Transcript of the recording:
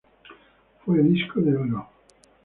Fue disco de oro.